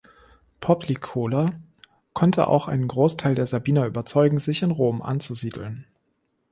Poplicola konnte auch einen Großteil der Sabiner überzeugen, sich in Rom anzusiedeln.